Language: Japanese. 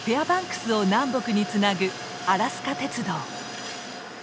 バンクスを南北につなぐアラスカ鉄道。